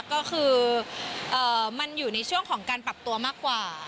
ก็คือมันอยู่ในช่วงของการปรับตัวมากกว่า